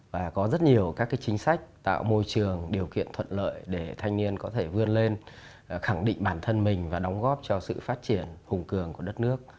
và có rất nhiều các chính sách tạo môi trường điều kiện thuận lợi để thanh niên có thể vươn lên khẳng định bản thân mình và đóng góp cho sự phát triển hùng cường của đất nước